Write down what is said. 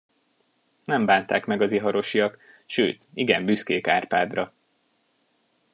Nem bánták meg az iharosiak, sőt igen büszkék Árpádra.